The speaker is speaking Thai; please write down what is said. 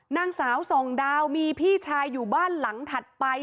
นางสาวส่องดาวมีพี่ชายอยู่บ้านหลังถัดไป